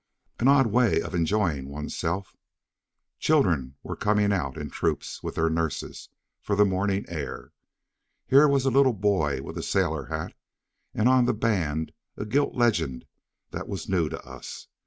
An odd way of enjoying one's self! Children were coming out in troops, with their nurses, for the morning air. Here was a little boy with a sailor hat, and on the band a gilt legend that was new to us.